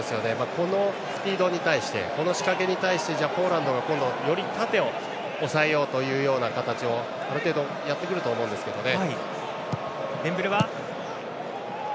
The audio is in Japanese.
このスピードに対してこの仕掛けに対してポーランドは今度より縦を抑えようという形をある程度やってくると思うんですけどね。